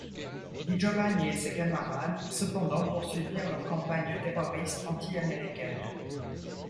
Di Giovanni et ses camarades cependant poursuivirent leur campagne terroriste anti-américaine.